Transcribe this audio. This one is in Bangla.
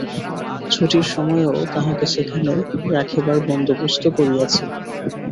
ছুটির সময়েও তাহাকে সেখানে রাখিবার বন্দোবস্ত করিয়াছিল।